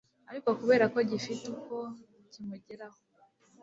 ariko kubera ko gifite uko kimugeraho